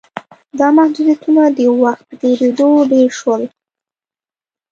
دا محدودیتونه د وخت په تېرېدو ډېر شول.